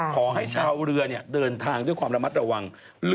ขอให้ชาวเรือเดินทางด้วยความระมัดระวัง